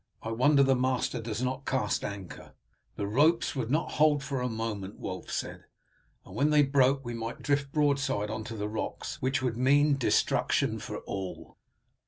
"I wonder the master does not cast anchor." "The ropes would not hold for a moment," Wulf said, "and when they broke we might drift broadside on to the rocks, which would mean destruction for all.